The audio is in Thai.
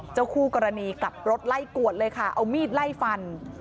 คู่กรณีกลับรถไล่กวดเลยค่ะเอามีดไล่ฟัน